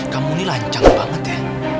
kamu ini lancar banget ya